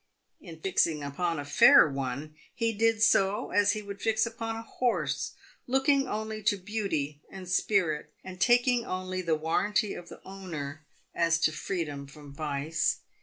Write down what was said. In fixing upon a fair one, he did so as he would fix upon a horse, looking only to beauty and spirit, and taking only the warranty of the owner as to freedom from vice.